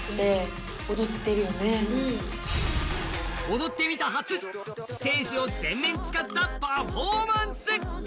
踊ってみた初、ステージを全面使ったパフォーマンス。